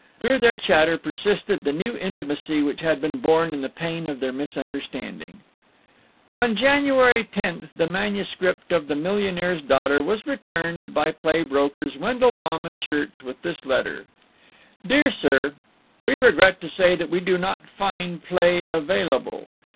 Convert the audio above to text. Through their chatter persisted the new intimacy which had been born in the pain of their misunderstanding. On January 10th the manuscript of "The Millionaire's Daughter" was returned by play brokers Wendelbaum & Schirtz with this letter: DEAR SIR,—We regret to say that we do not find play available.